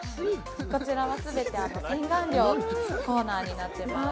こちらは全て洗顔料のコーナーになってます